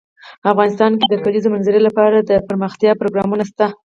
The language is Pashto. افغانستان کې د د کلیزو منظره لپاره دپرمختیا پروګرامونه شته.